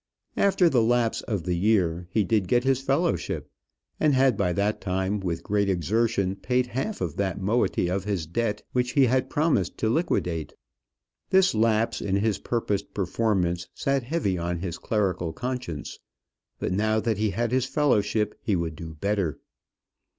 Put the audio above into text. After the lapse of the year, he did get his fellowship; and had by that time, with great exertion, paid half of that moiety of his debt which he had promised to liquidate. This lapse in his purposed performance sat heavy on his clerical conscience; but now that he had his fellowship he would do better.